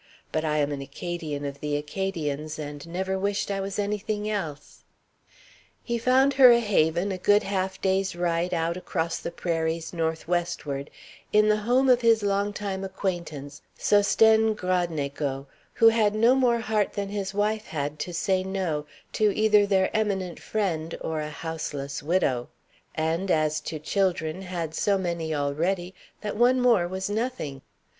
But I am an Acadian of the Acadians, and never wished I was any thing else." He found her a haven a good half day's ride out across the prairies north westward, in the home of his long time acquaintance, Sosthène Gradnego, who had no more heart than his wife had to say No to either their eminent friend or a houseless widow; and, as to children, had so many already, that one more was nothing.